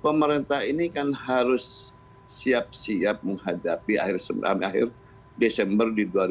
pemerintah ini kan harus siap siap menghadapi akhir desember dua ribu dua puluh